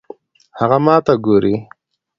هغه ماته ګوري